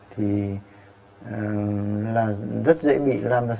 thì rất dễ bị làm ra